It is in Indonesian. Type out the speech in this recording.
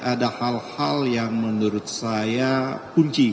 ada hal hal yang menurut saya kunci